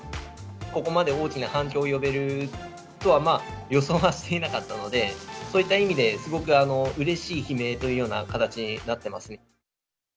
ここまで大きな反響を呼べるとは予想はしていなかったので、そういった意味で、すごくうれしい悲鳴というような形になってますね。